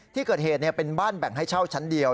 ที่เกิดเหตุเป็นบ้านแบ่งให้เช่าชั้นเดียว